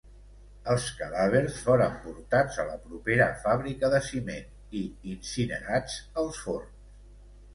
Els cadàvers foren portats a la propera fàbrica de ciment i incinerats als forns.